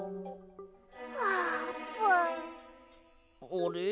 あれ？